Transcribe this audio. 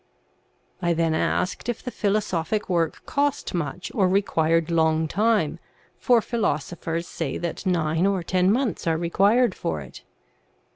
I then asked if the philosophic work cost much or required long time, for philosophers say that nine or ten months are required for it.